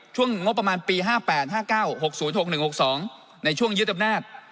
ช่วงงบประมาณปี๕๘๕๙๖๐๖๑๖๒ในช่วงยึดอำนาจ